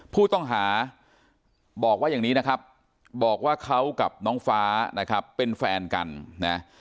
ผู้ต้องหาบอกว่าอย่างนี้นะครับบอกว่าเขากับน้องฟ้านะครับเป็นแฟนกันนะ